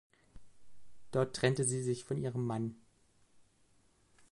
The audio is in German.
Dort trennte sie sich von ihrem Mann.